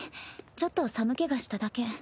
ちょっと寒気がしただけ。